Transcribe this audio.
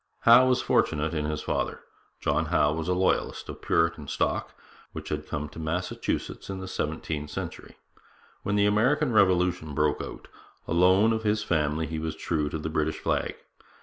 Howe was fortunate in his father. John Howe was a Loyalist, of Puritan stock which had come to Massachusetts in the seventeenth century. When the American Revolution broke out, alone of his family he was true to the British flag.